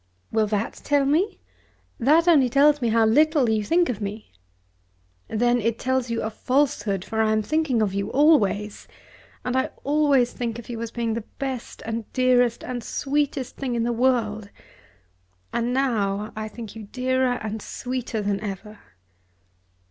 "Will that tell me? That only tells me how little you think of me." "Then it tells you a falsehood; for I am thinking of you always. And I always think of you as being the best and dearest and sweetest thing in the world. And now I think you dearer and sweeter than ever."